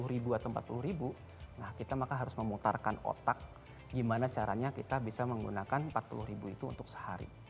sepuluh ribu atau empat puluh ribu nah kita maka harus memutarkan otak gimana caranya kita bisa menggunakan empat puluh ribu itu untuk sehari